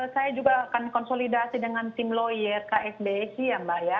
saya juga akan konsolidasi dengan tim lawyer ksbsi ya mbak ya